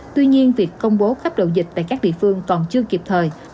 tuy nhiên việc công bố cấp độ dịch tại các địa phương còn chưa kịp thời